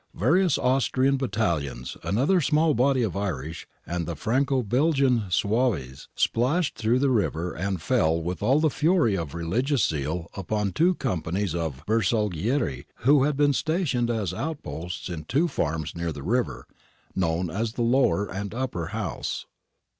Various Austrian battalions, another small body of Irish, and the Franco Belgian Zouaves splashed through the river and fell with all the fury of religious zeal upon two companies of Bersaglieri, who had been stationed as out posts in two farms near the river, known as the Lower and Upper House.